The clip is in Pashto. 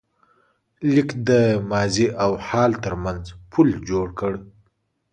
لیک د ماضي او حال تر منځ پُل جوړ کړ.